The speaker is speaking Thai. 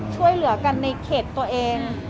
ช่วยเหลือกันในเขตตัวเอง